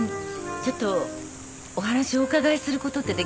ちょっとお話お伺いすることってできますか？